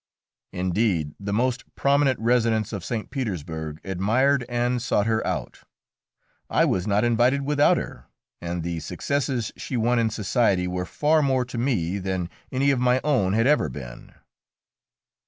Indeed, the most prominent residents of St. Petersburg admired and sought her out. I was not invited without her, and the successes she won in society were far more to me than any of my own had ever been.